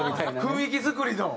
雰囲気作りの。